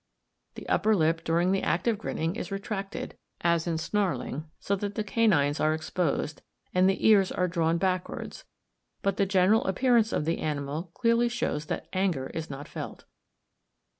The upper lip during the act of grinning is retracted, as in snarling, so that the canines are exposed, and the ears are drawn backwards; but the general appearance of the animal clearly shows that anger is not felt.